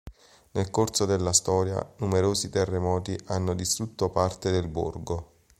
Nel corso della storia numerosi terremoti hanno distrutto parte del borgo.